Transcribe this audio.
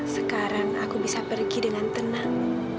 sekarang aku bisa pergi dengan tenang